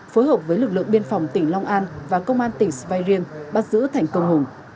phối hợp với lực lượng biên phòng tỉnh long an và công an tỉnh sveiring bắt giữ thành công hùng